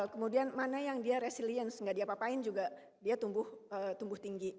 kemudian mana yang dia resiliensi enggak diapapain juga dia tumbuh tinggi